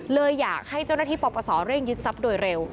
เลยอยากให้เจ้าหน้าที่ปปศเร่งยึดทรัพย์โดยเร็ว